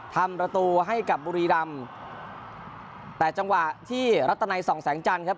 ทำประตูให้กับบุรีรำแต่จังหวะที่รัตนัยส่องแสงจันทร์ครับ